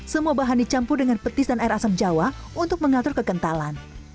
semua bahan dicampur dengan petis dan air asam jawa untuk mengatur kekentalan